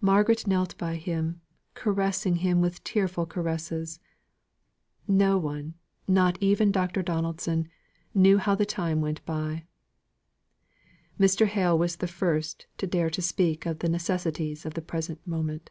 Margaret knelt by him, caressing him with tearful caresses. No one, not even Dr. Donaldson, knew how the time went by. Mr. Hale was the first to dare to speak of the necessities of the present moment.